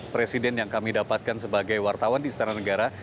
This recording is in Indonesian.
presiden yang kami dapatkan sebagai wartawan di istana negara